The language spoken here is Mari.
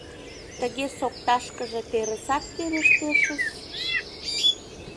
Тыге сокташкыже терысат верештешыс...